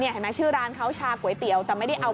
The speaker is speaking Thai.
นี่เห็นไหมชื่อร้านเขาชาก๋วยเตี๋ยวสุดเด็ดของร้านปลา